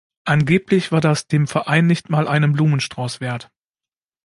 Angeblich war das „dem Verein nicht mal einen Blumenstrauß wert“.